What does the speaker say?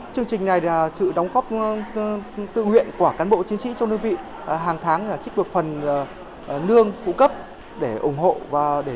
chương trình này là sự đóng góp tự nguyện của cán bộ chiến sĩ trong đơn vị hàng tháng trích được phần nương phụ cấp để ủng hộ và trực tiếp